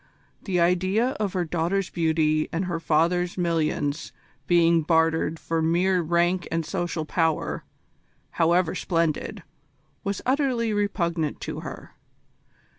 The idea of her daughter's beauty and her father's millions being bartered for mere rank and social power, however splendid, was utterly repugnant to her.